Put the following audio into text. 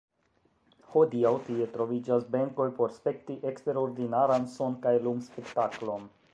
Hodiaŭ tie troviĝas benkoj por spekti eksterordinaran son- kaj lum-spektaklon.